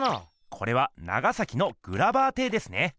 これは長崎のグラバー邸ですね。